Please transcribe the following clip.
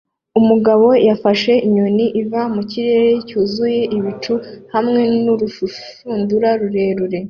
Umugabo yafashe inyoni iva mu kirere cyuzuye ibicu hamwe nurushundura rurerure